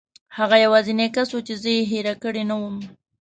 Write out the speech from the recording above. هغه یوازینی کس و چې زه یې هېره کړې نه وم.